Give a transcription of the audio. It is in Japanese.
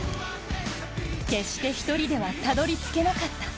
決して一人ではたどり着けなかった。